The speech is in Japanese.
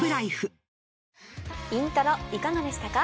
『イントロ』いかがでしたか？